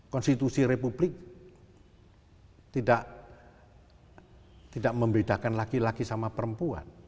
konstitusi republik tidak membedakan laki laki sama perempuan